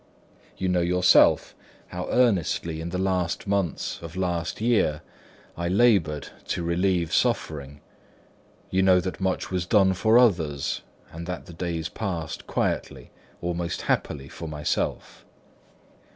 You know yourself how earnestly, in the last months of the last year, I laboured to relieve suffering; you know that much was done for others, and that the days passed quietly, almost happily for myself.